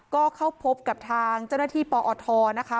ก็เข้าพบกับทางเจ้าหน้าที่ปอทนะคะ